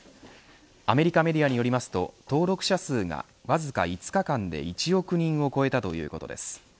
アメリカメディアによりますと登録者数がわずか５日間で１億人を超えたということです。